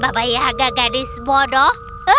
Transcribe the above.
bapak yaga gadis bodoh